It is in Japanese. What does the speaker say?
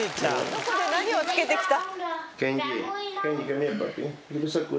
どこで何を付けてきた？